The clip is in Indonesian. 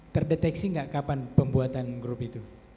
terdeteksi nggak kapan pembuatan grup itu